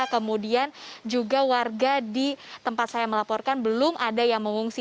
kemudian juga warga di tempat saya melaporkan belum ada yang mengungsi